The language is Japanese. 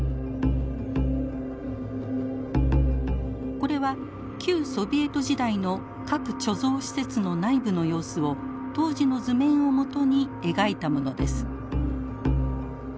これは旧ソビエト時代の核貯蔵施設の内部の様子を当時の図面を基に描いたものです。